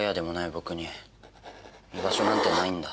僕に居場所なんてないんだ。